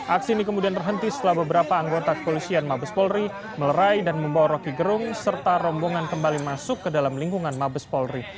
aksi ini kemudian terhenti setelah beberapa anggota kepolisian mabes polri melerai dan membawa roky gerung serta rombongan kembali masuk ke dalam lingkungan mabes polri